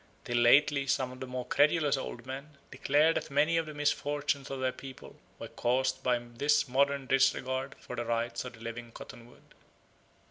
Till lately some of the more credulous old men declared that many of the misfortunes of their people were caused by this modern disregard for the rights of the living cottonwood.